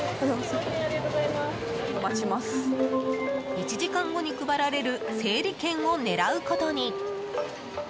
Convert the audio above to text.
１時間後に配られる整理券を狙うことに。